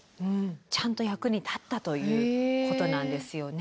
ちゃんと役に立ったということなんですよね。